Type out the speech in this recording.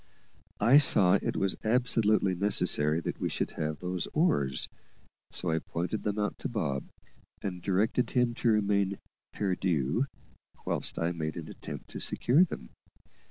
I saw it was absolutely necessary that we should have those oars, so I pointed them out to Bob, and directed him to remain perdu, whilst I made an attempt to secure them.